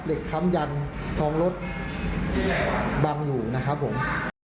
เหล็กคำยันของรถบังอยู่นะครับผม